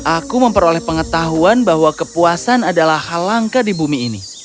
aku memperoleh pengetahuan bahwa kepuasan adalah hal langka di bumi ini